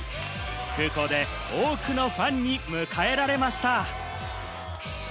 空港で多くのファンに迎えられました。